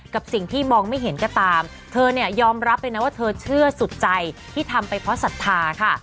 กับสิ่งที่มองไม่เห็นก็ตามเธอเนี่ยยอมรับเลยนะว่าเธอเชื่อสุดใจที่ทำไปเพราะศรัทธาค่ะ